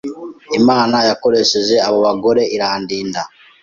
Imana yakoresheje abo bagore irandinda.